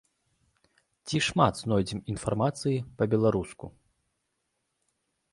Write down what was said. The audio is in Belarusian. Ці шмат знойдзем інфармацыі па-беларуску?